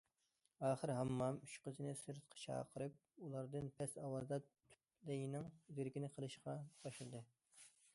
ئاخىر ھاممام ئۈچ قىزىنى سىرتقا چاقىرىپ ئۇلاردىن پەس ئاۋازدا توپلەينىڭ دېرىكىنى قىلىشقا باشلىدى.